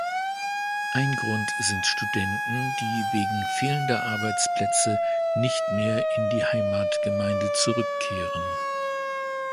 Ein Grund sind Studenten, die wegen fehlender Arbeitsplätze nicht mehr in die Heimatgemeinde zurückkehren.